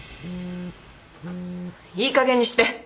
いい加減にして！